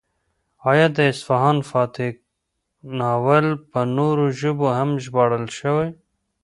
ایا د اصفهان فاتح ناول په نورو ژبو هم ژباړل شوی؟